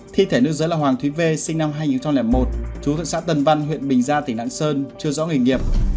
thi thể nữ giới là hoàng thúy vê sinh năm hai nghìn một chú thuận xã tân văn huyện bình gia tỉnh đảng sơn chưa rõ nguyên nghiệp